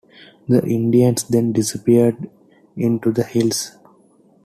The Indians then disappeared into the hills.